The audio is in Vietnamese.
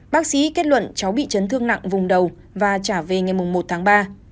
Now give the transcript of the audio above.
bác sĩ kết luận cháu bị chấn thương nặng vùng đầu và trả về ngày một tháng ba